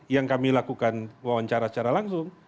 yang kami lakukan wawancara secara langsung